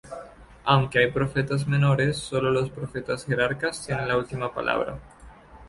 Aunque hay profetas menores, sólo los profetas jerarcas tienen la última palabra.